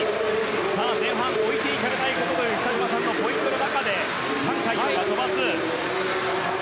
前半置いていかれないという北島さんのポイントの中でタン・カイヨウが飛ばす。